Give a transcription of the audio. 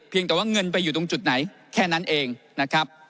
แต่ว่าเงินไปอยู่ตรงจุดไหนแค่นั้นเองนะครับ